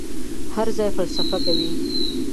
هر ځای فلسفې کوي.